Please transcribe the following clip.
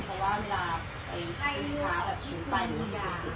เพราะว่าเวลาไปใครเลือกออกชิคกรุมคุณก่อน